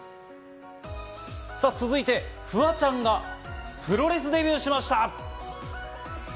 続いて、フワちゃんがプロレスデビューしました。